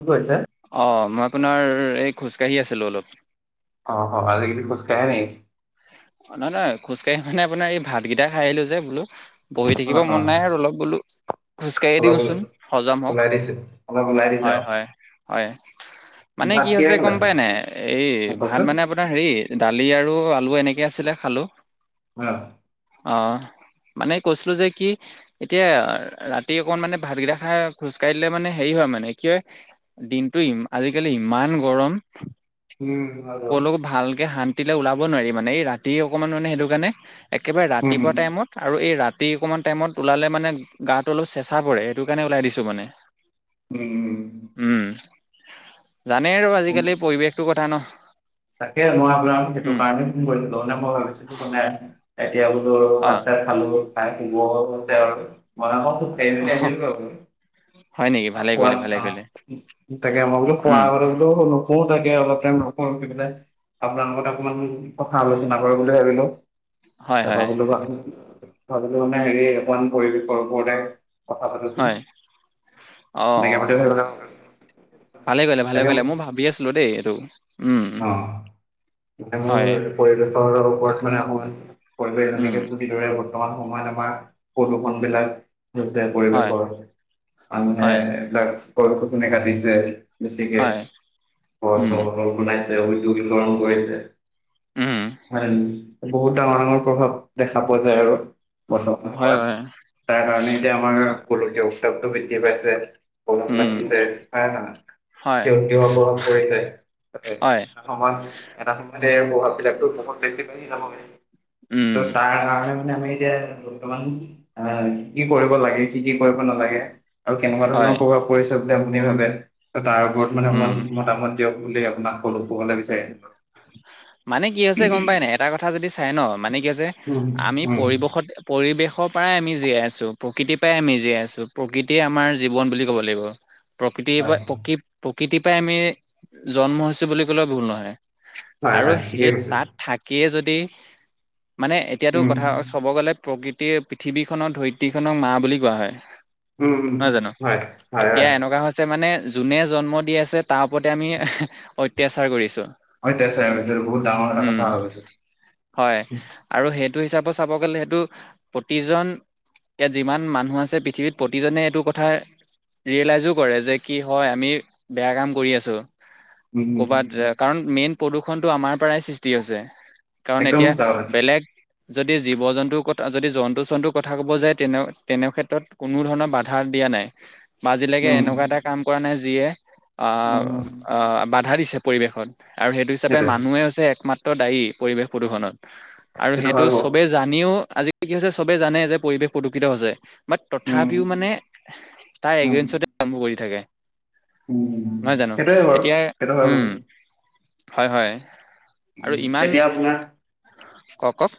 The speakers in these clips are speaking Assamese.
কি কৰিলে? অ, মই আপোনাৰ এই খোজকাঢ়ি আছিলো অলপ। অ, অ, আজি কালি খোজ কাঢ়ে নেকি? নহয়- নহয় খোজ কঢ়ি মানে আপোনাৰ এই ভাত কেইটা খাই আহিলো যে বোলো। বহি অ থাকিব অ মন নাই আৰু অলপ বোলো। খোজকাঢ়ি অলপ ওল দিওচোন হজম হওক। ওলাই দিছে। অলপ ওলাই দিছে হয়, আও। হয়। হয়, মানে ভাত কি হৈছে কিহেৰে গম খালা? পায় নাই, এই অ ভাত কওকচোন। মানে আপু আপোনাৰ হেৰি দালি আৰু আলু এনেকে আছিলে খালো। অ। অ, মানে কৈছিলো যে কি এতিয়া ৰাতি অকন মানে ভাতকেইটা খাই খোজ কাঢ়ী দিলে মানে হেৰি হয় মানে, কি হয় দিনটো ই আজিকালি ইমান গৰম। উম ভাল অ। কলৈকো ভালকে শান্তি ৰ'দ দিলে ওলাব নোৱাৰি মানে। এই ৰাতি অকমান মানে সেইটো কাৰণে একেবাৰে উম ৰাতিপুৱা টাইমত আৰু এই ৰাতি অকমান টাইমত ওলালে মানে গাটো অলপ চেঁচা পৰে। সেইটো কাৰণে ওলাই দিছো মানে। উম। উম। জানেই আৰু উম আজিকালি পৰিৱেশটো কথা ন? তাকে মই আপোনালো সেইটো উম কাৰণে ফোন কৰিছিলো মানে মই ভাবিছিলো মানে এতিয়া বুলো অ ভাত - চাত খালো, খাই বোৰ সতে [unintelligible] পেট বিষাইছিলটো [unintelligible] হয় নেকি ভালে কৰিলে ভালে কৰিলে [unintelligible] তাকে অলপ উম টাইম [unintelligible] [unintelligible] আপোনাৰ লগত অকমান কথা আলোচনা কৰিব বুলি ভাবিলো। হয় তাৰপৰা হয় [unintelligible] বোলো মানে হেৰি অকমান পৰিৱেশৰ ওপৰতে কথা হয় [unintelligible] অ অ এনেকৈ বুলি অ, ভাবি ভালে কৰিলে ভালে তাকে অঁ কৰিলে মই ভাবি আছো ছিলো দেই এইটো উম মানে হয়। মোৰ পৰিৱেশৰ ওপৰত মানে আকৌ পৰিৱেশ উম এনেকে তুলি ধৰে তহঁত সময় আমাৰ প্ৰদুষনবিলাক [unintelligible] হয় পৰিৱেশৰ, মানুহে হয় এইবিলাক গছ গছনি কাটিছে। বেছিকে, হয় ঘৰ উম চৰ [unintelligible] বনাইছে উদ্যোগিকৰন কৰিছে। উম ফাইনেলি বহুত ডাঙৰ ডাঙৰ প্ৰভাৱ দেখা পোৱা যায় আৰু। বন্ধ হয় [unintelligible] হয় তাৰ কাৰণে এতিয়া আমাৰ গোলোকীয় উত্তাপটো বৃদ্ধি পাইছে। পলম উম ৰাখিছে হয় হয় নাই [unintelligible] পলম কৰিছে। হয়, এটা সময়ত এটা সময়ত এ প্ৰভাৱবিলাকতো বহুত বেছি বাঢ়ি যাব গে। ত উম তাৰ কাৰণ মানে আমি এতিয়া বৰ্তমান আ কি কৰিব লাগে? কি কি কৰিব নালাগে আৰু কেনেকুৱা হয় ধৰণৰ প্ৰভাৱ পৰিছে বুলি আপুনি ভাবে ত তাৰ ওপৰত মানে উম অকমান মতামত দিয়ক বুলি আপোনাক কলো [unintelligible] বিচাৰি আহিলো। মানে কি হৈছে গম পাই নাই এটা কথা যদি চাই ন মানে কি হৈছে উম আমি উম পৰিৱেশত পৰিৱেশৰ পৰাই আমি জীয়াই আছো, প্ৰকৃতিৰ পৰাই আমি জীয়াই আছো, প্ৰকৃতিয়ে আমাৰ জীৱন বুলি ক'ব লাগিব। প্ৰকৃতিৰ হয় পৰা প্ৰকৃ প্ৰকৃতিৰ পৰাই আমি জন্ম হৈছো বুলি ক'লেও ভুল নহয়। হয় আৰু হয় ঠিকে সেই কৈছে তাত থাকিয়ে যদি মানে এতিয়াতো উম কথা চব গ'লে প্ৰকৃতিয়ে পৃথিৱীখনৰ ধৰিত্ৰীখনক মা বুলি কোৱা হয়। উম উম নহয় জানো? হয় হয় এতিয়া হয় এনেকুৱা হৈ আছে মানে যোনে জন্ম দি আছে তাৰ ওপৰতে আমি এহে অত্যাচাৰ কৰিছো। অত্যাচাৰ হৈছে বহুত ডাঙৰ এটা কথা উম। হৈ গৈছে। হয় উম, আৰু সেইটো হিচাপত চাব গলে সেইটো প্ৰতিজন ইয়াত যিমান মানুহ আছে পৃথিৱীত প্ৰতিজনে এইটো কথা ৰিয়েলাইজো কৰে যে কি হয় আমি বেয়া কাম কৰি আছো। উম, ক'বাত এ কাৰণ মেইন প্ৰদূৰ্ষণটো আমাৰ পৰাই সৃষ্টি হৈছে। কাৰণ একদম এতিয়া সঁচা কথা বেলেগ যদি জীৱ - জন্তুৰ কথা যদি জন্তু চন্তুৰ কথা ক'ব যায় তেনে তেনে ক্ষেত্ৰত কোনো ধৰণৰ বাধা দিয়া নাই। বা আজিলৈকে উম। এনেকুৱা এটা কাম কৰা নাই যিয়ে উম, উম, আহ আহ বাধা দিছে পৰিৱেশত। আৰু সেইটো হিচাপে সেইটোৱে মানুহে হৈছে একমাত্ৰ দায়ী পৰিৱেশ প্ৰদূষণত আৰু সেইটো হয় বাৰু চবে জানিও আজিকি কি হৈছে চবে জানে যে পৰিৱেশ প্ৰদূষিত হৈছে। But um. তথাপিও মানে তাৰ উম, এগেনষ্টতে কাম কৰি থাকে। উম, নহয় জানো সেইটোৱে বাৰু এতিয়া সেইটো হয় বাৰু উম। হয় হয় আৰু উম, ইমান, এতিয়া আপোনাৰ কও কওক?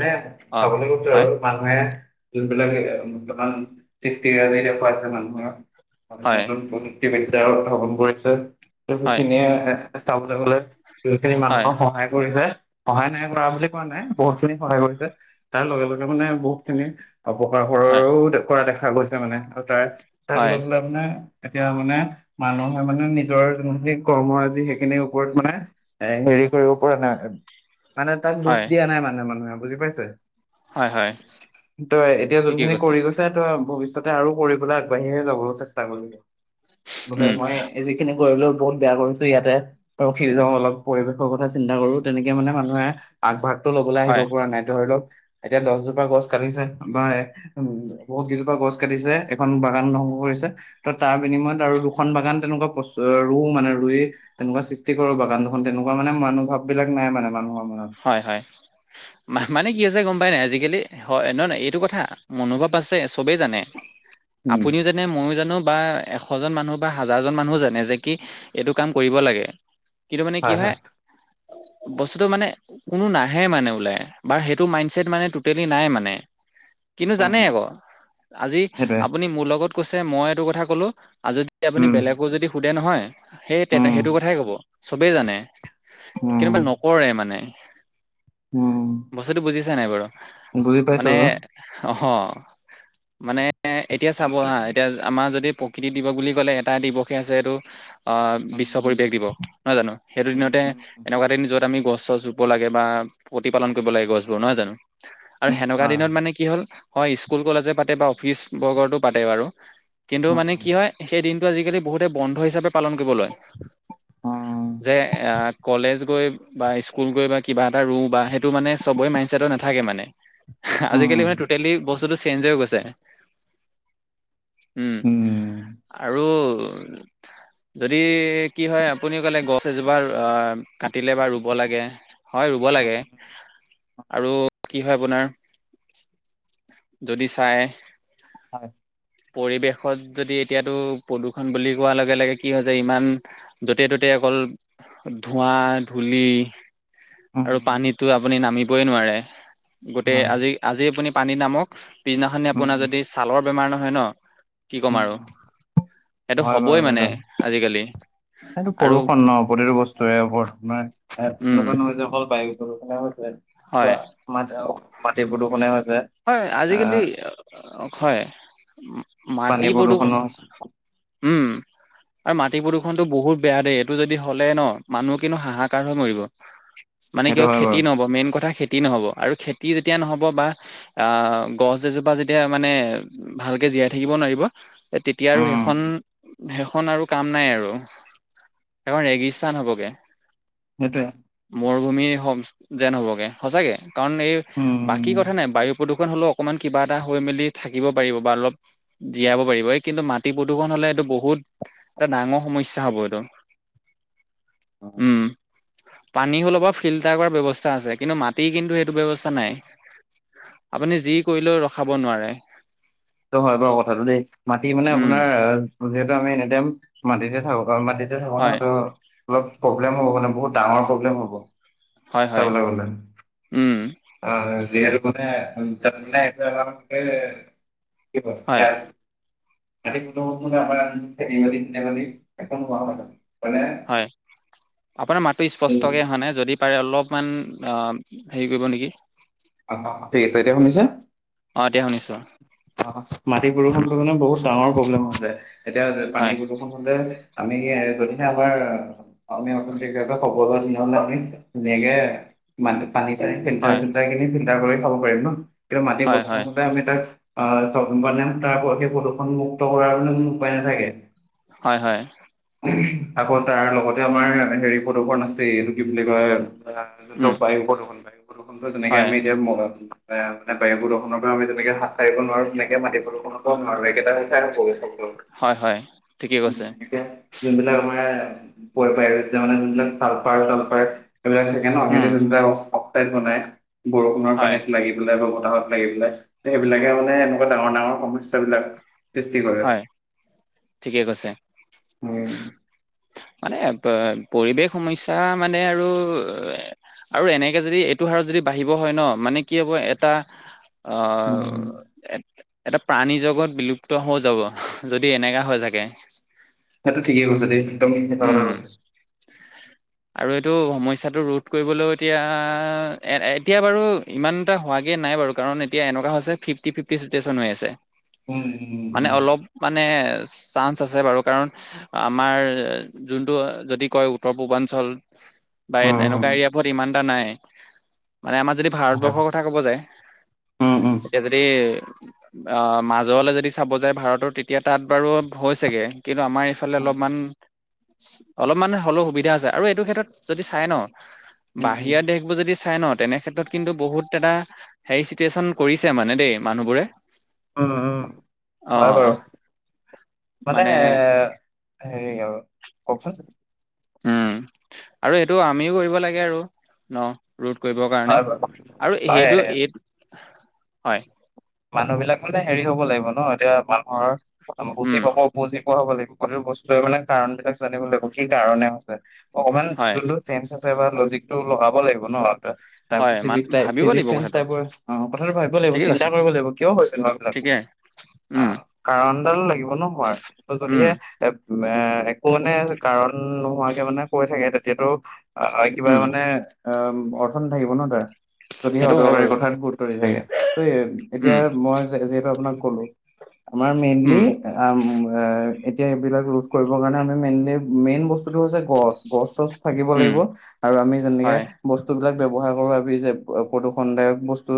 দেহ অ চাবলৈ গৈছোঁ সেইটোৱে হয় আৰু মানুহে যোনবিলাক দোকান সৃষ্টি দেখুৱাইছে মানুহৰ হয় নতুন প্ৰযুক্তিবিদ্যা উধবন কৰিছে, ত হয় সেইখিনিয়ে চাবলৈ গলে যোনখিনি হয় মানুহক সহায় কৰিছে সহায় নাই কৰা বুলি কোৱা নাই বহুত খিনি সহায় কৰিছে তাৰ লগে লগে মানে বহুত খিনি অপকাৰ ক হয়। [unintelligible] দেখুওৱা দেখা গৈছে মানে আৰু তাৰ তাক হয় লৈ পেলাই মানে এতিয়া মানে মানুহে মানে নিজৰ যোনখিনি কৰ্ম আজি সেইখিনিৰ ওপৰত মানে এ হেৰি কৰিব পৰা নাই মানে, তাক দুখ হয় দিয়া নাই মানে মানুহে বুজি পাইছে? হয় হয় তই এতিয়া ঠিকে যোনখিনি কৈছে কৰি গৈ ছে তই ভৱিষ্যতে আৰু কৰিবলৈ আগবাঢ়িে যাব চেষ্টা কৰিবি, উম যাতে মই [unintelligible] [unintelligible] বহুত বেয়া কৰিছো ইয়াতে। ৰখি যাওঁ অলপ পৰিৱেশৰ কথা চিন্তা কৰো তেনেকে মানে মানুহে আগভাগটো লব ওলাই আহিব হয় পৰা নাই ধৰি লওক এতিয়া দহজোপা গছ কাটিছে বা উম বহুত কেইজোপা গছ কাটিছে এখন বাগান ধ্বংস কৰিছে। ত তাৰ বিনিময়ত আৰু দুখন বাগান তেনেকুৱা পচু ৰুওঁ মানে ৰুই তেনেকুৱা সৃষ্টি কৰো বাগান দুখন তেনেকুৱা মানে মনোভাৱ বিলাক নাই মানুহৰ মনত হয় হয়। মানে কি আছে গম পাই নাই আজিকালি হয় নহয় নহয় এইটো কথা মনোভাৱ আছে চবেই জানে উম আপুনিও জানে মইয়ো জানো বা এশ জন মানুহ বা হাজাৰজন মানুহও জানে যে কি এইটো কাম কৰিব লাগে কিন্তু মানে কি হয় বস্তুটো মানে কোনো নাহে মানে ওলাই বাৰু সেইটো মাইণ্ডছেট মানে টুটেলি নাই মানে। কিন্তু উম জানে আকৌ আজি সেইটোৱে, আপুনি মোৰ লগত কৈছে মই এইটো কথা কলো আৰু যদি আপুনি উম, বেলেগকো যদি সোধে নহয় সেই উম, সেইটো কথাই কব চবেই জানে। উম, কেতিয়াবা নকৰে মানে। উম বস্তুটো বুজিছা নাই বাৰু? বুজি পাইছো। মানে অ মানে এ এতিয়া চাব হা এতিয়া আমাৰ যদি প্ৰকৃতি দিৱস বুলি ক'লে এটা দিৱসে আছে এইটো অ বিশ্ব পৰিবেশ উম, দিৱস নহয় জানো সেইটো উম, দিনতে উম, এনেকুৱা এ দিন য'ত আমি গছ চছ ৰু ব লাগে বা প্ৰতিপালন কৰিব লাগে গছবোৰ নহয় জানো আৰু উম, সেনেকুৱা হয়, দিনত মানে কি হ'ল হয় স্কুল কলেজে পাতে বা অফিচ বৰ্গতো পাতে বাৰু কিন্তু মানে কি উম, হয় সেই দিনটো আজিকালি বহুতে বন্ধ হিচাপে পালন কৰিব লয়। উম, যে এ কলেজ গৈ বা স্কুল গৈ বা কিবা এটা ৰুও বা সেইটো মানে চবৰে মাইণ্ডছেদত নাথাকে মানে। আজিকালি মানে উম, টোটেলি বস্তুটো চেঞ্জ হৈ গৈছে। উম উম, আৰু যদি কি হয় আপুনি কলে গছ এজোপা অ কাটিলে বা ৰুব লাগে হয় ৰুব লাগে আৰু কি হয় আপোনাৰ যদি চাই হয় পৰিৱেশত যদি এতিয়াতো প্ৰদূষণ বুলি কোৱাৰ লগে লগে কি হয় যে ইমান য'তে ত'তে অকল ধোঁৱা, ধূলি। উম, আৰু পানীতটো আপুনি নামিবই নোৱাৰে গোটেই হয়, আজি আজি আপুনি পানীত নামক পিছদিনাখনি উম, আপোনাৰ যদি ছালৰ বেমাৰ নহয় ন কি ক'ম উম, আৰু, এইটো হয় বাৰু হবই মানে সেইটো, আজিকালি। সেইটো আৰু বৰষুণ ন। প্ৰতিটো বস্তুৱে ওপৰত মানে, এ- উম এনেকুৱা নহয় যে অকল পাই গৈছে। এ, বা হয় মাটিৰ অ' মাটিৰ প্ৰদূষণে হৈছে হয়, আজিকালি আহ হয়, পানী মাটি প্ৰদূষণ প্ৰদূষণো উম [inaudible] আৰু মাটি প্ৰদূষণটো বহুত বেয়া দেই, এইটো যদি হ'লে ন' মানুহ কিন্তু হাহাকাৰ হৈ মৰিব। [inaudible] মানে কিয়, হয় খেতি বাৰু, নহ'ব। মেইন কথা খেতি নহ'ব আৰু খেতি যেতিয়া নহ'ব বা আহ, গছ এজোপা যেতিয়া মানে ভালকে জীয়াই থাকিব নোৱাৰিব তেতিয়া আৰু উম, সেইখন, সেইখন আৰু কাম নাই আৰু। সেইখন ৰেগিস্হান হ'বগৈ। সেইটোৱে। মৰুভূমি হ'ম যেন হ'বগে। সচাকে, কাৰণ এই বাকী কথা নাই বায়ু প্ৰদূষণ হ'লেও অকণমান কিবা এটা হৈ মেলি থাকিব পাৰিব, বা অলপ জীয়াব পাৰিব। এই কিন্তু মাটি প্ৰদূষণ হ'লে এইটো বহুত এটা ডাঙৰ সমস্যা হ'ব এইটো [inaudible] উম। পানী হ'লে বা ফিল্টাৰ কৰাৰ ব্যৱস্থা আছে, কিন্তু মাটিৰ কিন্তু সেইটো ব্যৱস্থা নাই। আপুনি যি কৰিলেও, ৰখাব নোৱাৰে। এইটো হয় বাৰু কথাটো দেই, মাটি মানে উম, আপোনাৰ যিহেতু আমি এনিটাইম মাটিতে থাকো। কাৰণ মাটিত মাটিতে থাকো ন' হয়, ত, অলপ প্ৰব্লেম হ'ব মানে, বহুত ডাঙৰ প্ৰব্লেম হ'ব। হয়, হয়, চাবলৈ গ'লে। উম, অ', যিহেতু মানে হয়, [unintelligible] [unintelligible] হয়। আপোনাৰ মাতটো স্পষ্টকৈ ঠিক অহা নাই। যদি পাৰে, অলপমান অহ, হেৰি কৰিব নেকি? অ', অ'ঠিক আছে। এতিয়া শুনিছা? অ' এতিয়া শুনিছোঁ। অহ, অহ, মাটি প্ৰদূষণ [unintelligible] বহুত ডাঙৰ প্ৰব্লেম হৈছে। এতিয়া পানী হয়, হ'লে, আমি এ যদিহে আমাৰ আমি অকণ দেৰিকৈ এপাক খবৰ লৈ [unintelligible] ধুনীয়াকে মাটি, পানী- চানী ফিল্টাৰ- হয়, চিল্টাৰ কিনি ফিল্টাৰ কৰি খাব পাৰিম ন। কিন্তু মাটি হয়, হয়, প্ৰদূষণ হ'লে আমি তাক আহ, চব মানে তাৰপৰা সেই প্ৰদূষণমুক্ত কৰাৰ কোনো উপায় নাথাকে। হয়, হয়। উমহ, আকৌ তাৰ লগতে আমাৰ হেৰি প্ৰদূষণ আছেই, এইটো কি বুলি কয় সেইটো উম, বায়ু প্ৰদূষণ [unintelligible] বায়ু প্ৰদূষণটো যেনেকে হয়, আমি এতিয়া মহো তে আপোনাৰ বায়ু প্ৰদূষণৰ পৰা আমি যেনেকে হাত সাৰিব নোৱাৰো, তেনেকে মাটি প্ৰদূষণৰ পৰাও নোৱাৰো। একেইটা সমস্যাই হব হয়, হয়, ঠিকে কৈছে। উম, এতিয়া। যোনবিলাক আমাৰ [unintelligible] তেতিয়া মানে যোনবিলাক ছালফাৰ- তালফাৰ সেইবিলাক থাকে ন। উম, সেইবিলাক যোনবিলাক অক্সাইড বনাই বৰষুণৰ হয়, পানীত লাগি লাগিলেই বা বতাহত লাগি পেলাই। সেইবিলাকে মানে এনেকুৱা ডাঙৰ, ডাঙৰ সমস্যাবিলাক সৃষ্টি কৰে। হয়, ঠিকে কৈছে। মানে ব পৰিৱেশ সমস্যা মানে আৰু এ আৰু এনেকে যদি এইটো হাৰত যদি বাঢ়িব হয় ন, মানে কি হ'ব এটা অহ, উম, এটা, এটা প্ৰাণীজগত বিলুপ্ত হৈ যাব। যদি এনেকুৱা হৈ থাকে। সেইটো ঠিকে কৈছে দেই। একদম সঁচা উমঁ কথা উমঁ! কৈছে [inaudible] আৰু এইটো সমস্যাটো ৰোধ কৰিবলৈও এতিয়া এতিয়া বাৰু- ইমান এটা হোৱাগে নাই বাৰু কাৰণ এতিয়া এনেকুৱা হৈছে ফিফটি ফিফটি চিটুৱেচন হৈ আছে। উম, উম, উম, মানে অলপ। মানে চান্স আছে বাৰু কাৰণ আমাৰ- যোনটো যদি কয় উত্তৰ পূৰ্বাঞ্চল বা উম, এনেকুৱা এৰিয়া। ইমান এটা নাই মানে আমাৰ যদি হয় ভাৰতবৰ্ষৰ কথা কব যায়- উম, উম, এতিয়া যদি- অহ মাজলৈ যদি চাব যায় ভাৰতৰ তেতিয়া তাত বাৰু ভয় চাগে কিন্তু আমাৰ এইফালে হয় হয়। অলপমান- অলপমান হ'লেও সুবিধা আছে আৰু এইটো ক্ষেত্ৰত যদি চাই ন। উম, উম, বাহিৰা দেশবোৰ যদি চাই ন তেনেক্ষেত্ৰত কিন্তু বহুত এটা- হেৰি চিটুৱেচন কৰিছে মানে দেই মানুহবোৰে। অহ অহ অ হঁয় বাৰু মানে এ- হেৰি আৰু কওঁকচোন - উমঁ আৰু এইটো আমিও কৰিব লাগে আৰু নহ। ৰোধ কৰিব কাৰণে হয় বাৰু আৰু হয় সেইটো এই হয়। মানুহ বিলাক মানে হেৰি হ'ব লাগিব ন এতিয়া মানুহৰ কথা বুজি উম পাব উপজি। হ'ব লাগিব সকলো বস্তুৰ মানে কাৰণ বিলাক জানিব লাগিব কি কাৰণে হৈছে অকমান হয় বোলো- চেন্স হৈছে বা লজিক টো লগাব লাগিব ন। তাৰ হয় মান ভাবিব চিভিক লাগিব চেন্স কথাটো টাইপৰ অঁ কথাটো ভাবিব লাগিব ঠিকেই চিন- কৈছে লাগিব কিয় হৈছে লাৰাবিলাক ঠিকে উম আহ কাৰণডালটো লাগিব ন হোৱাৰ উম যদিহে- এ একো মানে কাৰণ নোহোৱাকে মানে কৈ থাকে তেতিয়াতো- আৰু কিবা উম মানে আহ অৰ্থ নাথাকিব ন তাৰ। যদিহে সেইটো হয় অদৰকাৰী বাৰু কথাত গুৰুত্ব দি থাকে ত এতিয়া উম মই যিহেতু আপোনাক কলোঁ। আমাৰ উম মেইনলি- আহ এতিয়া এইবিলাক ৰোধ কৰিবৰ কাৰণে আমি মেইনলি মেইন বস্তুটো হৈছে গছ গছ চছ- থাকিব উম লাগিব আৰু আমি যেনেকে- হয় বস্তুবিলাক ব্যৱহাৰ কৰো আমি যে প্ৰদূষণদায়ক বস্তু।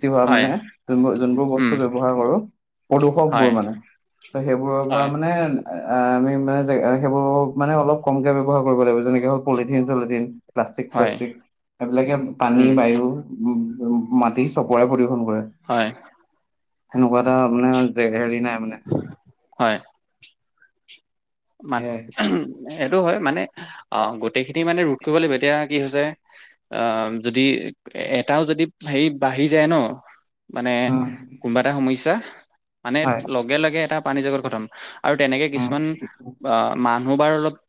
বেছি হোৱা হয় মানে যোনবোৰ যোনবোৰ উম বস্তু ব্যৱহাৰ কৰো হয় প্ৰদূষকবোৰ মানে। ত সেইবোৰৰ পৰা হয় মানে- অঁ আমি মানে সেইবোৰ মানে অলপ কমকে ব্যৱহাৰ কৰিব লাগিব যেনেকে হ'ওক পলিথিন চলিথিন। প্লাষ্টিক হয় চালাষ্টিক সেইবিলাকে পানী উম বায়ু উমঁ মাটি- তপৰে প্ৰদূষণ কৰে। হয়ঁ! সেনেকুৱা এটা মানে জেগা হেৰি নাই মানে। হয়ঁ! মাটি সেয়াই অহুম। এইটো হয় মানে অহ গোটেইখিনি মানে ৰোধ কৰিব লাগিব এতিয়া কি হৈছে অহ। যদি এটাও যদি হেৰি বাঢ়ি যায় ন। মানে উম, কোনোবা এটা সমস্যা মানে হয়, লগে লগে এটা প্ৰানী জগত খতম। আৰু তেনেকে উম, কিছুমান আহ মানুহ বাৰু অলপ-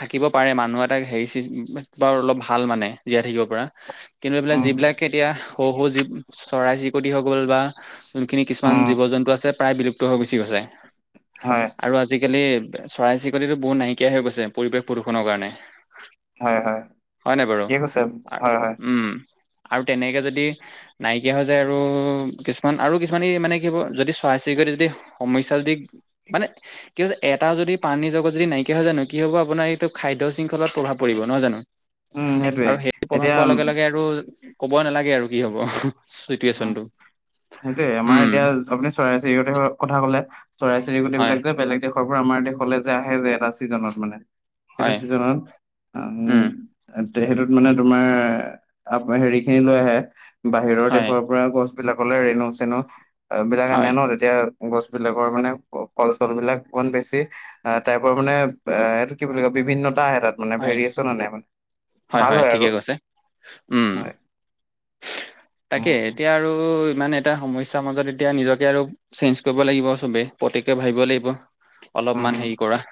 থাকিব পাৰে মানুহ এটাক হেৰি চিচ বাৰু অলপ ভাল মানে জীয়াই থাকিব পৰা। কিন্তু এইবিলাক উম, যিবিলাক এতিয়া সৰু সৰু যি চৰাই চিৰিকটি হৈ গ'ল বা- যোনখিনি উম, কিছুমান জীৱ জন্তু আছে প্ৰায় বিলুপ্ত হৈ গুচি গৈছে। হয়। আৰু আজিকালি চৰাই চিৰিকতিটো বহুত নাইকিয়া হৈ গৈছে পৰিৱেশ প্ৰদূষণৰ কাৰণে। হয়, হয়, হয় নাই বাৰু, ঠিকে কৈছে, হয়, হয়, উম আৰু তেনেকে যদি নাই কিয়া হৈ যায় আৰু কিছুমান আৰু কিছুমানে মানে কি হব যদি চৰাই চিৰিকতি যদি সমস্যা যদি মানে কি হৈছে এ টা যদি প্ৰানীৰ জগত যদি নাইকিয়া হয় জানো কি হ'ব আপোনাৰ এইটো খাদ্য শৃংখলত প্ৰভাৱ পৰিব নহয় জানো। উম, সেইটোৱে, আৰু সেইটো প্ৰভাৱ এতিয়া পৰাৰ লগে লগে উম, আৰু ক'ব নালাগে আৰু কি হ'ব। যোনটো সেইটোৱে আমাৰ এতিয়া আপুনি চৰাই চিৰিকতিৰ কথা কলে চৰাই চিৰিকতি হয় বিলাক যে বেলেগ দেশৰ পৰা আমাৰ দেশলৈ যে আহে যে এটা চিজনত মানে সেইটো হয় ছিজনত। উম, সেইটোত মানে তোমাৰ আহ হেৰি খিনি লৈ আহে। বাহিৰৰ হয় দেশৰ পৰা গছ বিলাকলৈ ৰেণু চেনু বিলাক আনে হয় ন। এতিয়া গছবিলাকৰ মানে ফল চল বিলাক ইমান বেছি আঁহ তাইপৰ মানে এ এইটো কি বুলি কয় বিভিন্নতা আহে তাত। মানে হয় ভেৰিয়েচন আনে, মানে ভাল হয় আৰু উম হয়। তাকে উম এতিয়া আৰু ইমানে এটা সমস্যাৰ মাজত এতিয়া নিজকে আৰু চেঞ্জ কৰিব লাগিব সবেই প্ৰট্যকে ভাবিব লাগিব। অলপমান উম হেৰি কৰা।